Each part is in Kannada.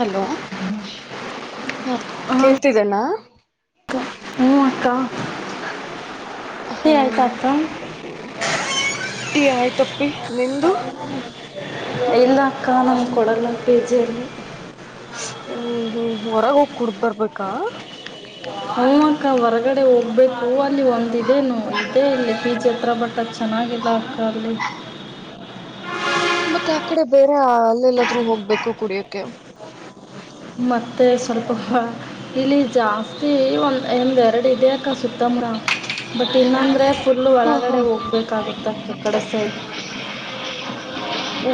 ಹಲೋ [inaudible] ಹಾ ಹಾಂ ಕೇಳ್ತಿದ್ದನಾ ಅಕ್ಕ ಹ್ಞೂ ಅಕ್ಕ ಟೀ ಹಾ ಆಯ್ತಾ ಅಕ್ಕ ಟೀ ಆಯ್ತಪ್ಪಿ ನಿಂದು ಇಲ್ಲ ಅಕ್ಕಾ ನಮಗೆ ಕೊಡಲ್ಲ ಫಿಜಿಯಲ್ಲಿ ಕುಡುದ್ ಬರ್ಬೇಕಾ ಹೂಂ ಅಕ್ಕ ಹೊರಗಡೆ ಹೋಗ್ಬೇಕು ಅಲ್ಲಿ ಒಂದು ನೊ ಇದೇ ಅಲ್ಲಿ ಫಿಜಿ ಅತ್ರ ಬಟ್ ಚೆನ್ನಾಗಿಲ್ಲ ಅಕ್ಕ ಅಲ್ಲಿ ಮತ್ತ ಆ ಕಡೆ ಬೇರೆ ಅಲ್ಲೆಲ್ಲಾದ್ರೂ ಹೋಗ್ಬೇಕು ಕುಡಿಯಕೆ ಮತ್ತೆ ಸ್ವಲ್ಪ ಇಲ್ಲಿ ಜಾಸ್ತಿ ಒಂದ್ ಒಂದ್ ಎರಡು ಇದೆ ಅಕ್ಕಾ ಸುತ್ತ ತನಕ ಬಟ್ ಇಲ್ಲಾಂದ್ರೆ ಪುಲ್ ಹಾ ಹಾ ಒಳಗಡೆ ಹೋಗ್ಬೇಕಾಗುತ್ತ ಅಕ್ಕ ಆ ಕಡೆ ಸೈ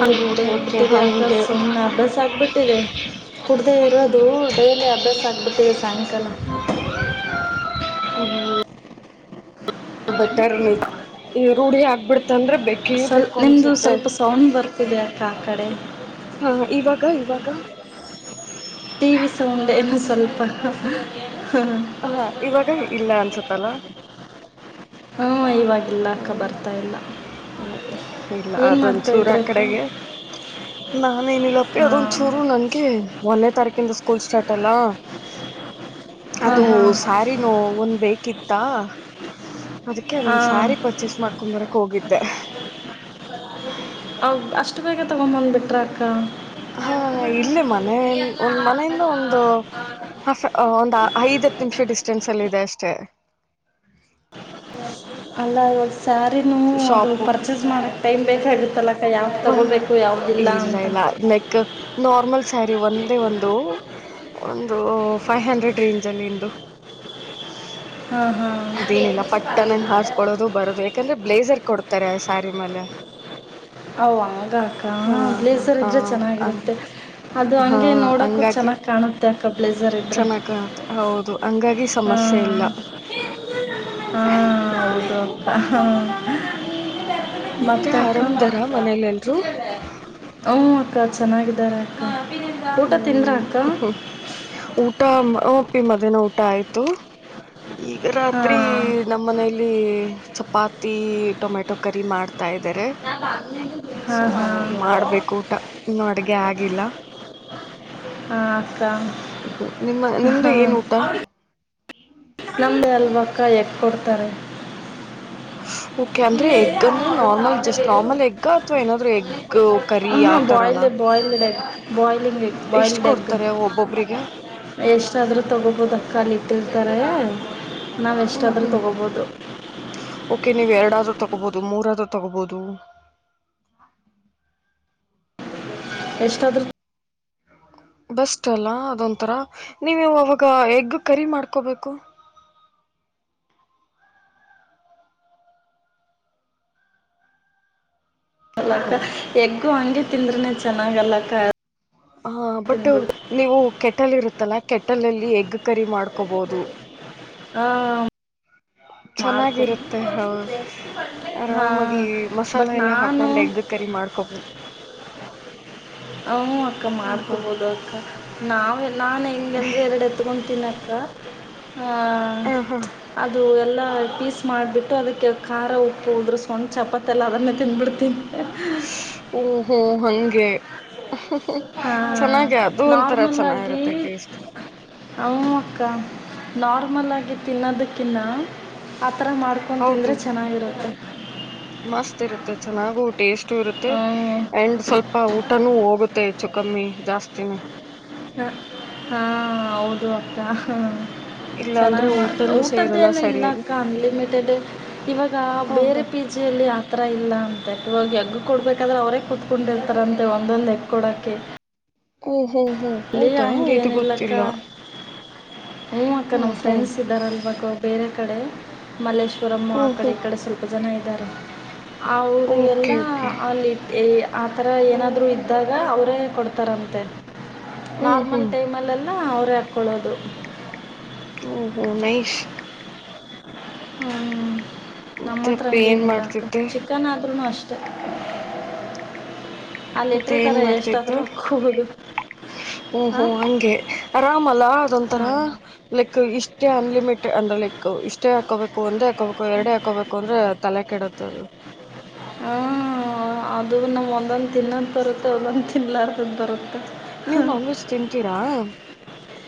ಅಲ್ಲಿ ರೋಡ್ ಓಕೆ ಓಕೆ ಆಗ್ಬಿಟ್ಟಿದೆ ಅಕ್ಕ ಹಂಗೆ ಸುಮನೆ ಅಭ್ಯಾಸ ಆಗ್ಬಿಟ್ಟಿದೆ ಕುಡ್ದೇ ಇರೋದು ಡೈಲಿ ಅಭ್ಯಾಸ ಆಗ್ಬಿಟ್ಟಿದೆ ಸಾಯಂಕಾಲ ಬಟರನ್ನು ಇಲ್ಲ ರೂಢಿ ಆಕಿಬಿಡ್ತು ಅಂದ್ರೆ ಬೆ ಸ್ಲ್ ನಿಮ್ದು ಸ್ವಲ್ಪ ಸೌಂಡ್ ಬರ್ತಿದೆ ಆ ಕಡೆ ಹಾ ಇವಾಗ ಇವಾಗ ಟಿ ವಿ ಸೌಂಡೇನ ಸ್ವಲ್ಪ ಹ ಹಾ ಇವಾಗ ಇಲ್ಲ ಅನ್ನ್ಸುತ್ತೆ ಅಲಾ ಇವಾಗಿಲ್ಲ ಅಕ್ಕ ಹೌದು ಬರ್ತಾ ಇಲ್ಲ ಇಲ್ಲ ಏನು ಮಾಡ್ತಾ ಅದೊಂದ್ಚೂರು ಆ ಇದ್ರಿ ಅಕ್ಕ ಕಡೆಗೆ ನಾನೇನಿಲ್ಲಪ್ಪಿ ಅದೊಂದ್ ಹಾಂ ಚೂರು ನನ್ಗೆ ಮೊನ್ನೆ ತಾನೇ ಆಕಿಂದು ಸ್ಕೂಲ್ ಸ್ಟಾರ್ಟ್ ಅಲ್ಲ ಹಾಂ ಅದು ಹಾಂ ಸ್ಯಾರಿನೂ ಒಂದ್ ಬೇಕಿತ್ತಾ ಅದಕ್ಕೆ ಅದೊಂದ್ ಹಾಂ ಸಾರಿ ಪರ್ಚೇಸ್ ಮಾಡ್ಕೊಂಡ್ ಬರಕ್ ಹೋಗಿದ್ದೆ ಇಷ್ಟು ಬೇಗ ತಗೋ ಬಂದ್ಬಿಟ್ರಾ ಅಕ್ಕ ಹಾ ಇಲ್ಲಿ ಮನೆ ಒಂದ್ ಮನೆಯಿಂದ ಒಂದು ಒಂದ ಆ ಐದು ಹತ್ತು ನಿಮಿಷ ಡಿಸ್ಟೆನ್ಸ್ ಅಲ್ಲ ಇದೆ ಅಷ್ಟೇ ಅಲ್ಲಾ ಹೋ ಸ್ಯಾರಿನೂ ಒಂದು ಪರ್ಚೇಸ್ ಮಾಡಕ್ಕೆ ಟೈಮ್ ಬೇಕಾಗತ್ತಲ್ಲ ಒಂದ ಇಲ್ಲ ಇಲ್ಲ ನೆಕ್ ನಾರ್ಮಲ್ ಸ್ಯಾರಿ ಒಂದೇ ಒಂದು ಒಂದ್ ಹೂ ಫೈವ್ ಹಂಡ್ರೆಡ್ ರೇಂಜಲ್ಲಿ ಇಂದು ಹಾ ಹಾ ಅದೇನಿಲ್ಲ ಪಟ್ಟ ನಂಗೆ ಹಾರ್ಸ್ಕೊಳ್ಳೋದು ಬರೋದು ಯಾಕಂದ್ರೆ ಬ್ಲೇಸರ್ ಕೊಡ್ತಾರೆ ಸ್ಯಾರಿ ಮೇಲೆ ಆಗ ಅಕ್ಕ ಹಾ ಹಾ ಬ್ಲೇಸರ್ ಹಾ ಇದ್ರೆ ಹಂಗ ಚೆನ್ನಾಗಿರುತ್ತೆ ಅದು ಹಂಗೆ ನೋಡಕು ಚನ್ನಾಗ್ ಕಾಣುತ್ತೆ ಅಕ್ಕಾ ಚೆನ್ನಾಗಿ ಕಾಣುತ್ತೆ ಹೌದು ಹಂಗಾ ಹ ಹಾ ಹಾ ಹೌದು ಅಕ್ಕಾ ಹ ಹಾ ಮತ್ತೆ ಅಕ್ಕ ಆರಾಮ್ದಾರ ಮನೇಲೆ ಎಲ್ರು ಹ್ಮ ಅಕ್ಕ ಚೆನ್ನಾಗಿದ್ದಾರೆ ಹ್ಮ ಹ್ಮ್ ಊಟ ಮಧ್ಯಾಹ್ನ ಊಟ ಆಯ್ತು ಈಗ ರಾತ್ರಿ ಹಾಂ ನಮ್ಮ ಮನೇೆಯಲ್ಲಿ ಚಪ್ ಚಪಾತಿ ಟೊಮೆಟೊ ಕರಿ ಮಾಡ್ತ ಹತಾ ಇದ್ದಾರೆ ಸೋ ಹಾಂ ಹಾಂ ಹಾಂ ಮಾಡ್ಬೇಕು ಊಟ ಇನ್ನುೂ ಅಡ್ಗೆ ಆಗಿಲ್ಲ ಅಕ್ಕ ನಿಮ್ಮ ಮನ ನಿಮ್ದು ಏನ್ ಊಟ ನಮ್ದೇ ಅಲ್ವಾ ಕ್ಕ ಎಕ್ಕ ಕೊಡ್ತಾರೆ ಓಕೆ ಅಂದ್ರೆ ಎಗ್ ಅಂದ್ರೆ ನಾರ್ಮಲ್ ಜಸ್ಟ್ ನಾರ್ಮಲ್ ಎಗ್ ಅಥವಾ ಏನಾದ್ರೂ ಎಗ್ ಕರಿ ಆತರಾನ ಬಾಯಲ್ ಲ್ಲಿಗೆ ಬಾಯ್ಲ್ಡ್ ಎಗ್ ಒಬ್ಬೊಬ್ರಿಗೆ ಎಷ್ಟಾದ್ರೂ ತಗೋಬಹುದ ಅಕ್ಕ ಅಕ್ಕ ಅಲ್ಲಿ ಇಟ್ಟಿರ್ತಾರೆ ಹ [inaudible] ಹ್ಮ್ ನಾವೆಷ್ಟಾದ್ರೂ ಹ್ಮ್ ತಗೋಬೋದು ತಗೋಬಹುದು ಮೂರದು ತಗೋಬಹುದು ಎಷ್ಟಾದ್ರೂ ಬೆಸ್ಟ್ ಅಲ್ಲ ಅದೊಂಂತರ ನೀವು ಇವಾಗ ಎಗ್ ಕರಿ ಮಾಡ್ಕೋಬೇಕು ಲಕ್ಕ ಎಗ್ಗು ಹಂಗೆ ತಿಂದ್ರನೆ ಚನ್ ಚೆನ್ನಾಗಲ್ಲ ಅಕ್ಕ ಹಾ ಬಟ್ ತಿಂದ್ಬಿಡ್ತು ನೀವು ಕೆಟ್ಟಲ್ ಇರುತ್ತಲ್ಲಾ ಕೆಟ್ಟಲಲ್ಲಿಗ್ ಎಗ್ ಕರಿ ಮಾಡ್ಕೋಬೋದು ಹ ಚೆನ್ನಾಗಿರುತ್ತೆ ಹ ಹಾಂ ಆರಾಮಾಗಿ ಬಟ್ ಮಸಾಲೆ ಎಲ್ಲಾ ನಾನು ಹಾಕೊಂಡ್ ಎಗ್ ಕರಿ ಮಾಡ್ಕೊಬಹು ಹು ಅಕ್ಕ ಹಾ ಮಾಡ್ಕೊಬೋದು ಅಕ್ಕ ನಾವು ಹ [unintelligible] ನಾನು ಹೆಗೆಂದ್ರೆ ಎರಡು ಎತ್ಕೊತೀನ ಹ [unintelligible] ಹ ಹ ಹಾ ಅದು ಎಲ್ಲ ಪೀಸ್ ಮಾಡಿಬಿಟ್ಟು ಅದಕ್ಕೆ ಖಾರ ಉಪ್ಪು ಉದ್ರುಸ್ಕೊಂಡು ಚಪಾತಿ ಎಲ್ಲ ಅದನ್ನೇ ತಿಂದ್ಬಿಡ್ತೀನಿ [inaudible] ಹಂಗೆ ಚೆನ್ನಾಗಿ ಅದು ಒಂಥರ ನಾರ್ಮಲ್ಲಾಗಿ ಚೆನ್ನಾಗಿರುತ್ತೆ ಟೇಸ್ಟ್ ನಾರ್ಮಲ್ ಆಗಿ ತಿನ್ನೋದಕ್ಕಿನ್ನ ಆತರ ಮಾಡ್ಕೊ ತಿಂದ್ರೆ ಹೌದು ಚೆನ್ನಾಗಿರತ್ತೆ [inaudible] ಟೇಸ್ಟ್ ಇರುತ್ತೆ ಅಂಡ್ ಸ್ವಲ್ಪ ಊಟನುೂ ಹೋಗುತ್ತೆ ಮತ್ತೆ ಹೆಚ್ಚು ಕಮ್ಮಿ ಜಾಸ್ತಿನೇ ಹ ಹಾ ಹೌದು ಅಕ್ಕ ಹ ಇಲ್ಲ ಅಂದ್ರೆ ಚೆನ್ನಾಗಿ ಮಾಡ್ ಊಟನೂ ಸೇರಲ್ಲ ಊಟದ್ದೇಲ್ಲ ಇಲ್ಲ ಸರಿಯಾಗಿ ಅಕ್ಕ ಅನ್ಲಿಮಿಟೆಡ್ ಇವಾಗ ಹ ಹ ಬೇರೆ ಪಿಜಿಯಲ್ಲಿ ತ್ರ ಇಲ್ಲ ಅಂತೆ ಹಗ್ ಕೊಡ್ಬೇಕಾದ್ರೆ ಅವ್ರೇ ಕುೂತ್ಕೊಂಡಿರ್ತಾರಂತೆ ಒಂದೊಂದು ಎತ್ತು ಕೊಡಕೆ ಹ್ಮ್ ಹ್ಮ್ ಹ್ಮ್ ಹೌದಾ ಇದು ಗೊತ್ತಿಲ್ಲ ಹು ಅಕ್ಕ ಹ್ಮ್ ನಮ್ಮ ಹ್ಮ್ ಫ್ರೆಂಡ್ಸ್ ಇದ್ದಾರಲ್ ಅಲ್ಪಕಾ ಬೇರೆ ಕಡೆ ಮಲ್ಲೇಶ್ವರಮ್ಮ ಆ ಹ್ಮ್ ಕಡೆ ಈ ಹ್ಮ್ ಕಡೆ ಸ್ವಲ್ಪ ಜನ ಇದ್ದಾರೆ ಅವರಿಗೆಲ್ಲ ಓಕೆ ಓಕೆ ಅಲ್ಲಿ ಆ ಥರ ಏನಾದರೂ ಇದ್ದಾಗ ಅವರೇ ಕೊಡ್ತಾರಂತೆ ಹ್ಮ್ ನಾರ್ಮಲ್ ಹ್ಮ್ ಟೈಮ್ಲ್ಲೆಲ್ಲ ಅವ್ರ ಹಾಕೊಳ್ಳೋದು ಹ್ಮ ಹ್ಮ ವೇಸ್ಟ್ ಹ್ಮ್ ನಮ್ಮ ಹತ್ರ ಏನ್ ಹಂಗೇನಿಲ್ಲ ಅಕ್ಕ ಮಾಡ್ತಿದ್ದೆ ಚಿಕನ್ ಆದ್ರುನು ಅಷ್ಟೆ ಮತ್ತೆ ಏನ್ ಮಾಡ್ತಾ ಇತ್ತು ಹಾಕ್ಕೋಬೋದು ಹ್ಮ್ ಹಾಂ ಹ್ಮ್ ಅಂಗೆ ಅರಮ್ ಅಲ ಅ ತರಾ ಹಾಂ ಲೆಕ್ ಇಸ್ಟ್ ಅನ್ಲಿಮಿಟೆಡ್ ಅಂದ್ರೆ ಲೈಕ್ ಇಷ್ಟೇ ಹಾಕೋಬೇಕು ಒಂದೇ ಹಾಕೋಬೇಕು ಎರಡೇ ಹಾಕೋಬೇಕು ಅಂದ್ರೆ ತಲೆ ಕೆಡುತ್ತ ದು. ಹಾಂ ಅದು ನಮ ಒಂದೊಂದು ತಿನ್ನಂತ ಬರುತ್ತೆ [unintelligible] ತಿನ್ನಲಾರ್ದು ತಿಂತರ್ ಅ ನೀವ್ ನಾನ್ ವೆಜ್ ತಿಂತೀರಾ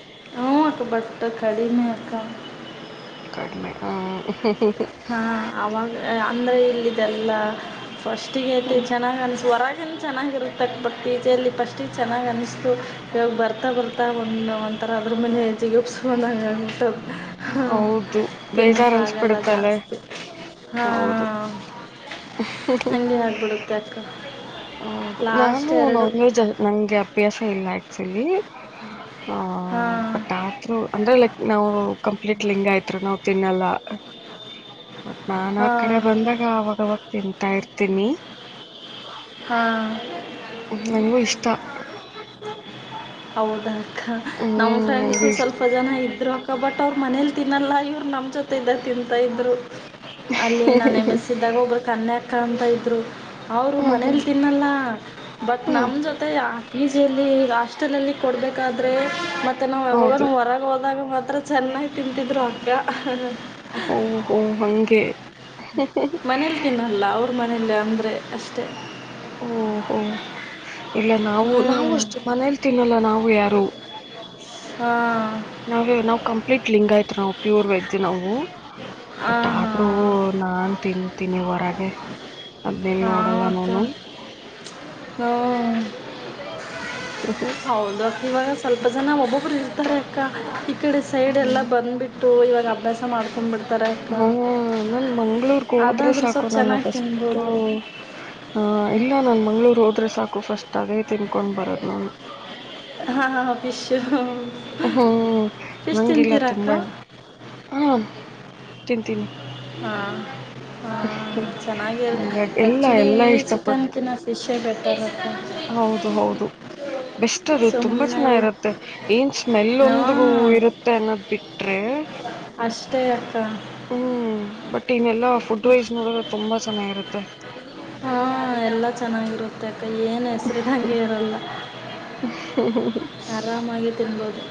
[unintelligible] ಅಕ್ಕಾ ಕಡಿಮೆ ಹ್ಹಾ ಹ್ ಹಾ ಅವಾಗ ಅ ಇಲ್ಲಿ ಇದೆಲ್ಲ ಫಸ್ಟಿಗೆ ಇತಿ ಚೆನ್ನಾಗಿ ಅನ್ಸ ಹೊರಗ ಚೆನ್ನಾಗಿರುತಕ್ಕ ಬಟ್ ಪೀಜೆಯಲ್ಲಿ ಫಸ್ಟಿಗೆ ಚೆನ್ನಾಗಿ ಅನ್ನಿಸ್ತು ಇವಾಗ ಬರ್ತಾ ಬರ್ತಾ ಒಂದು ಒಂಥರ ಅದ್ರ ಮೇಲೆ [unintelligible] ಹೌದು ತಿನ್ನಕ್ಕ ಬೇಜಾರ್ ಆಗಲ್ಲ ಅಕ್ಕಾ ಅನ್ಸ್ಬಿಡುತ್ತಲ್ಲೆ ಹಾ ಹೌದು ಹ್ಹ ಹಂಗೆ ಆಗ್ಬಿಡುತ್ತೆ ಅಕ್ಕ ಹೌದು ನಾನು ಲಾಸ್ಟ್ ಎರಡು ನಾನ್ ವೆಜ್ ನಂಗೆ ಅಭ್ಯಾಸ ಇಲ್ಲ ಆಯ್ತು ಸರಿ ಹ ಹಾಂ ಬಟ್ ಆದ್ರರು ಅಂದ್ರೆ ಲೈಕ್ ನಾವು ಕಂಪ್ಲೀಟ್ ಲಿಂಗ ಆಯ್ತ ಹತ್ರ ನಾವು ತಿನ್ನಲ್ಲ ಬಟ್ ನಾ ಆ ಕಡೆ ಹಾಂ ಬಂದಾಗ ಅವಾಗವಾಗ ತಿಂತಾ ಇರ್ತೀನಿ ಹಾಂ ನನಗೂ ಇಷ್ಟ ಹೌದ ಅಕ್ಕ ನಮ್ ಹ್ಮ್ ಫ್ರೆಂಡ್ಸು ನಂಗೂ ಇಷ್ಟ ಸ್ವಲ್ಪ ಜನ ಇದ್ರು ಅಕ್ಕ ಬಟ್ ಅವ್ರ ಮನೇಲಿ ತಿನ್ನಲ್ಲ ಇವ್ ತಿಂತಾ ಇದ್ರು ಅಲ್ಲಿ ನಾನ ಮಿಸ್ಸಿ ಇದ್ದಾಗ ಒಬ್ಬರು ಕನ್ಯಾ ಕಾಣ್ತಾ ಇದ್ರು ಹ್ಮ್ ಹ್ಮ್ ಮನೇಲಿ ತಿನ್ನಲ್ಲ ಬಟ್ ಹ್ಮ್ ನಮ್ಮ ಜೊತೆ ಈಜಲ್ಲಿ ಲಾಸ್ಟೆಲಲ್ಲಿ ಕೊಡಬೇಕಾದ್ರೆ ನಾವ್ ಯಾವಾಗ ಹೌದು ಹೊರಗೆ ಹೋದಾಗ ಮಾತ್ರ ಚೆನ್ನಾಗಿ ತಿಂತಿದ್ರು ಅಕ್ಕ ಕೆ ಮನೇಲಿ ತಿನ್ನಲ್ಲ ಅವ್ರ ಮ ಇಲ್ಲ ಅಂದರೆ ಅಷ್ಟೇ ಹಓ ಹ್ಮ ಇಲ್ಲ ನಾವು ಹ್ಞೂ ನಾವವು ಅಷ್ಟೇ ಮನೇಲಿ ತಿನ್ನಲ್ಲ ನಾವು ಯಾರು ಹಾ ನಾವ ನಾವ್ ಕಂಪ್ಲೀಟ್ ಲಿಂಗ್ ಆಯ್ತ್ ನಾವ್ ಪ್ಯೂರ್ ವೆಜ್ಜ್ ನಾವು ಬಟ್ ಹಾಂ ಆದ್ರೂ ಹಾಂ ನಾನ್ ತಿಂತಿನಿ ಹೊರಗೆ ಅದೆನ್ ನೋಡಲ್ಲ ನನು ಹ್ಮ ಹ್ಮ ಹೌದವ ಇವಾಗ ಸ್ವಲ್ಪ ಜನ ಒಬ್ಬ ಇರ್ತಾರೆಕ್ಕ ಈ ಕಡೆ ಸೈಡ್ ಎಲ್ಲ ಬಂದ್ಬಿಟ್ ಓ ಅಭ್ಯಾಸ ಮಾಡ್ ಹಾ ನನ್ ಮಂಗಳೂರು ಹೋದ್ರೆ ಅದಾದರೂ ಸಾಕು ಸ್ವಲ್ಪ ನನ್ನ ಚೆನ್ನಾಗಿ ಫಸ್ಟ್ ತಿನ್ಬೋದು ಹ ಇಲ್ಲ ನನ್ ಮಂಗ್ಳೂರ್ ಹೋದ್ರೆ ಸಾಕುಫಸ್ಟ್ ತಾವೇ ತಿನ್ಕೊಂಡು ಬರೋದು ಹಾಂ [unintelligible] ಹ್ಮ್ ಫಿಶ್ ನಂಗಿಲ್ಲ ತಿಂತೀರಾ ಅಕ್ಕ ತುಂಬಾ ಹ ತಿಂತೀನಿ ಹಾ ಹಾ ಚೆನ್ನಾಗಿ ಹಂಗಾಗಿ ಎಲ್ಲಾ ಆಕ್ಚುಲಿ ಎಲ್ಲಾ ಚಿಕನ್ ಇಷ್ಟಪಟ್ಟು ತಿನ್ನ ಫಿಶೇ ಬೆಟ್ಟರ್ ಹೌದು ಹೌದು ಬೆಷ್ಟ್ ಅಷ್ಟದು ತುಂಬಾ ಸುಮ್ಮನೆ ಚೆನ್ನ ಇರುತ್ತೆ ಏನ್ ಸ್ಮೆಲ್ ಹಾಂ ಒಂದಗೂ ಇರುತ್ತೆ ಅನ್ನೋದ್ ಬಿಟ್ ರೇ ಅಷ್ಟೇ ಅಕ್ಕ ಹ್ಮ್ ಬಟ್ ನೆಲ್ಲ ಲ್ಲ ಫುಡ್ ವೈಸ್ ನೋಡ್ರೆ ತುಂಬ ಚೆನ್ನ ಇರುತ್ತೆ ಹಾ ಎಲ್ಲಾ ಚೆನ್ನಾಗಿರುತ್ತೆ ಅಕ್ಕೆ ಏನು ಹೆಸರಿದಂಗೆ ಇರಲ್ಲ [unintelligible] ಅರಮ್ ಹಾಗೆ ತಿಬೋದು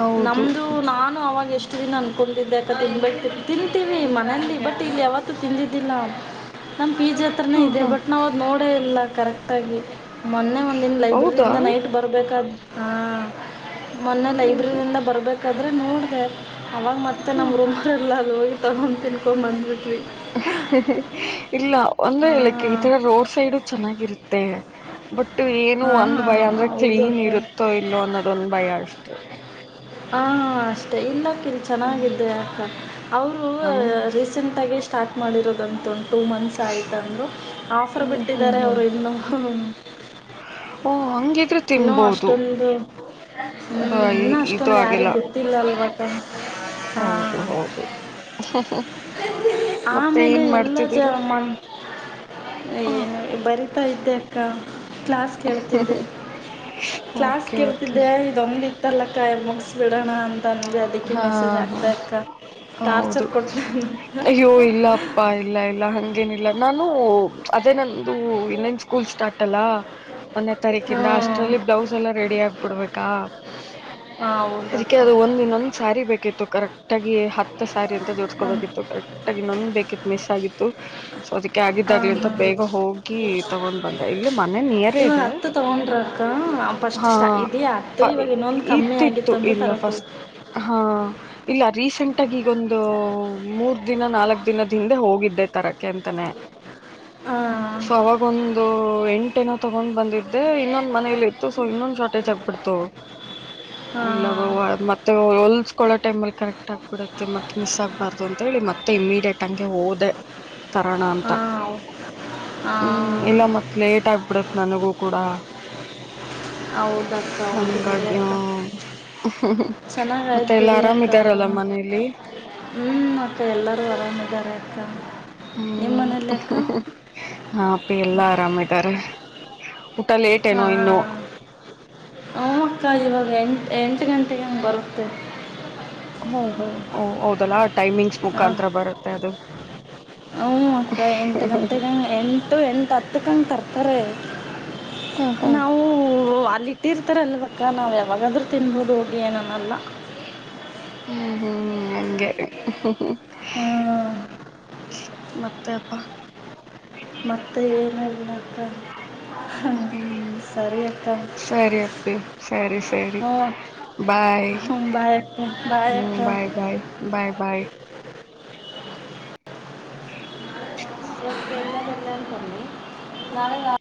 ಹೌದು ನಮ್ದು ನಾನು ಅವಾಗ ಎಷ್ಟು ತಿನ್ನು ತಿಂತೀನಿ ಮನೆಯಲ ತಿನ್ನಿಲ್ಲ ಟೀಚರ್ ತರನೇ ಹಾ ಇದೆ ಹಾ ಬಟ್ ನವರ್ ನೋಡಿ ಕಡೆ ಕರೆಕ್ಟ್ ಆಗಿ ಮೊನ್ನೆ ಒಂದಿನ ಹೌದಾ ಲೈಬ್ರರಿಯಿಂದ ನೈಟ್ ಬರ್ಬೇಕಾದ್ರೆ ಹ್ಮ ಮೊನ್ನೆ ಹ್ಮ್ ಹ್ಮ್ ಲೈಬ್ರರಿನಿಂದ ಬರ್ಬೇಕ್ ಆದ್ರೆ ನೋಡಿದೆ ಅವಾಗ ಮತ್ತೆ ನಮ್ಮ ಹ್ಮ್ ರೂಮ್ಗಳಲ್ಲ ಅಲ್ಲಿ ಹೋಗಿ ತಗೊಂಡ. ತಿನ್ಕೊಂಡ ಬಂದ್ಬಿಟ್ವಿ. ಇಲ್ಲ ಅಂದ್ರೆ ಲೈಕ್ ಈ ಹಾಂ ತರ ರೋಡ್ ಸೈಡು ಚೆನ್ನಾಗಿರುತ್ತೆ ಬಟ್ ಏನು ಹಾ ಒಂದ್ ಹಾ ಭಯ ಅಂದ್ರೆ ಹೌದು ಕ್ಲೀನ್ ಅಕ್ಕ ಇರುತ್ತೋ ಇಲ್ಲೋ ಅನ್ನೋದೊಂದ ಭಯ ಅಷ್ಟೆ ಹ ಹಾ ಇಲ್ಲ ಅಕ್ಕ ಇಲ್ಲಿ ಹ್ಮ್ ಚೆನ್ನಾಗಿದ್ದೆ ಅಕ್ಕ ಅವರು ಹಂಗ ರೀಸೆಂಟ್ ಆಗಿ ಮಾಡಿರೋದಂತ ಉಂಟು ಮನುಷ್ಯ ಆಯ್ತಂದು ಆಫರ್ ಹ್ಮ್ ಹ್ಮ್ ಬಿಟ್ಟಿದ್ದಾರೆ ಹ್ಮ್ ಅವರು ಇನ್ನೂಹ ಹ ಇನ್ನುೂ ಅಷ್ಟೊಂದು ಬ ಹ್ಮ್ ಇನ್ನುೂ ಇದು ಅಷ್ಟೊಂದು ಯಾರಿಗ ಆಗಿಲ್ಲ ಗೊತ್ತಿಲ್ಲ ಅಲ್ವಾ [unintelligible] ಹೌದು ಹೌದು [unintelligible] ಮತ್ತೆ ಆಮೇಲೆ ಏನ್ ಎಲ್ಲ ಜ ಮಾಡ್ತಿದ್ದೀರಾ ಮ ಏನ ಬರಿತಾ ಇದ್ದೆ [unintelligible] ಕ್ಲಾಸ್ ಕೇಳ್ತಿದ್ದೆ ಕ್ಲಾಸ್ ಓಕೆ ಓಕೆ ಕೇಳ್ತಿದ್ದೆ ಇದೊಂದ ಇತ್ತಲಕ್ಕ ಇದ ಮುಗ್ಸ ಬಿಡೋಣ ಅಂತ ಅದಕ್ಕೆ ಹಾ ಮೆಸೇಜ್ ಹಾ ಹಾಕದೆ ಅಕ್ಕ ಹೌದು ಟಾರ್ಚರ್ ಕೊಡ್ತ ಅಯ್ಯೋ ಇಲ್ಲ ಅಪ್ಪಾ ಇಲ್ಲ ಇಲ್ಲ ಹಂಗೇನಿಲ್ಲ ನಾನು ಅದೇ ನಂದು ಇನ್ನೇನ್ ಸ್ಕೂಲ್ ಸ್ಟಾರ್ಟ್ ಅಲ್ಲ ಒಂದೇ ತಾರೀಕಿಂದ ಹ್ಞೂ ಅಷ್ಟ್ರಲ್ಲಿ ಬ್ಲೌಸ್ ಎಲ್ಲ ರೆಡಿ ಆಗ್ಬಿಡ್ಬೇಕಾ ಹಾಂ ಅದಕ್ಕೆ ಹೌದಕ್ಕ ಅದ ಒಂದ ಇನ್ನೊಂದ. ಸ್ಯಾರಿ ಬೇಕಿತ್ತು ಕರೆಕ್ಟ್ ಆಗಿ ಹತ್ತು ಸ್ಯಾರಿ ಅಂತ ಹಾಂ ಜೋಡಸ್ಕೋಬೇಕಿತ್ತು ಕರೆಕ್ಟ್ ಆಗಿ ನನ್ ಬೇಕಿತ್ತು ಮಿಸ್ ಆಗಿತ್ತು ಸೊ ಅದಕ್ಕೆ ಆಗಿದ್ದ ಹಾ ಹಾ ಬಂದೆ ಇಲ್ಲಿ ಮನೆ ನಿಯರೇ ಇವಾಗ ಇದೆ ಹತ್ತು ತಗೊಂಡ್ರ ಅಕ್ಕ ಫಸ್ಟ್ ಹಾ ಇದಿಯಾ ಹತ್ತು ಇವಾಗ ಇನ್ನೊಂದು ಕಮ್ಮಿ ಇತ್ತಿತ್ತು ಆಗಿತ್ತು ಅಂತ ಇಲ್ಲ ತರಕ ಹೋಗಿ ಫಸ್ಟ್ ಹಾ ಇಲ್ಲ ರೀಸೆಂಟ್ ಟ್ಟಾಗಿ ಈಗ ಒಂದು ಮೂರ ದಿನ ನಾಲ್ಕ ದಿನದ ಹಿಂದೆ ಹೋಗಿದ್ದೆ ತರಕ್ಕೆ ಅಂತಾನೆ ಹಾಂ ಸೊ ಅವಾಗೊಂದು ಎಂಟನೋ ತಗೊಂಡ ಬಂದಿದ್ದೆ ಅದ ಇನ್ನೊಂದ ಮನೇಲಿ ಇತ್ತು ಸೊ ಇನ್ನೊಂದ ಶಾರ್ಟೇಜ್ ಆಗ್ಬಿಡ್ತು ಇಲ್ಲ ಬ ಹಾಂ ಮತ್ತೆ ಹಮ್ ಹೊಲ್ಸ್ಕೊಳೋ ಟೈಮಲ್ಲಿ ಕರೆಕ್ಟ್ ಆಗ್ಬಿಡತ್ತೆ ಮತ್ತ ಮಿಸ್ ಆಗ್ಬಾರ್ದು ಅಂತ ಹೇಳಿ ಮತ್ತೆ ಇಮಿಡಿಯಟ್ ಹಂಗೆ ಹೋದೆ ತರಾನಾ ಅಂತ ಹಾಂ ಹ ಹಾಂ ಇಲ್ಲ ಮತ್ತ ಲೇಟ್ ಆಗ್ಬಿಡತ್ತ ನನಗೂ ಕೂಡ ಹೌದಕ್ಕ ಹೌದು ಹಂಗಾಗಿ ಹ [unintelligible] ಚೆನ್ನಾಗ ಆಯ್ತು ಎಲ್ಲಾ ಬಿಡಿ ಆರಾಮ್ ಅಕ್ಕ ಅದು ಇದಾರಲ್ಲ ಮನೇಲಿ ಹ್ಮ್ ಅಕ್ಕ ಎಲ್ಲರೂ ಆರಾಮ ಆದಿವಿ ಇದಾರೆ ಅಕ್ಕ ನಿಮ್ಮ ಹ್ಮ್ ಮನೇಲಿ ಅಕ್ಕ ಹ ಅಪ್ಪಿ ಎಲ್ಲಾ ಆರಾಮಿದ್ದರೆ ಊಟ ಲೇಟ್ ಏನೋ ಇನ್ನು ಹೂ ಅಕ್ಕ ಇವಾಗ ಎಂಟ್ ಎಂಟು ಗಂಟೆಗೆ ಅಂಗ ಬರುತ್ತೆ ಹ್ಮ್ ಹ್ಮ್ ಹ ಹೌದಲ್ಲಾ ಹಾ ಹ್ಞ ಅಕ್ಕ ಎಂಟು ಗಂಟೆಗಂಗೆ ಎಂಟು ಎಂಟು ಹತ್ತಕ್ಕಂಗೆ ತರ್ತಾರೆ ಹ ಹಾ ನಾವೂ ಅಲ್ಲಿ ಈಟ್ಟಿರ್ತಾರೆ ಅಲ್ವಕ್ಕ ನಾವು ಯಾವಾಗಾದ್ರೂ ತಿನ್ಬೋದು ಹೋಗಿ ಏನನ್ನಲ್ಲ ಹ್ಮ್ ಹ್ಮ್ ಹಂಗೇ ಮತ್ ತ್ತಪ್ಪ ಮತ್ತು ಏನಿಲ್ಲ ಅಕ್ಕ ಹ್ ಸರಿ ಅಕ್ಕ ಸರಿ ಅಪ್ಪಿ ಸರಿ ಸರಿ ಹ್ಞೂ ಬಾಯ್ ಹ್ಞೂ ಬಾಯ್ ಅಕ್ಕ ಬಾಯ್ ಹ್ಮ ಅಕ್ಕ ಬಾಯ್ ಬಾಯ್ ಬಾಯ್ ಬಾಯ್ ಎ [inaudible] ನಾಳೆ ನಾ